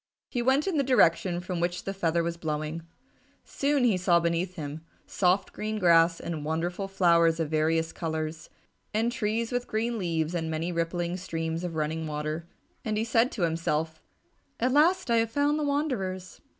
He went in the direction from which the feather was blowing. Soon he saw beneath him soft green grass and wonderful flowers of varied colours, and trees with green leaves and many rippling streams of running water. And he said to himself, "At last I have found the wanderers."